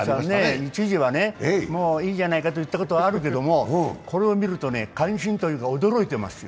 一時はもういいんじゃないかと言ったこともあるけどね、これを見ると、感心というか驚いてますよ。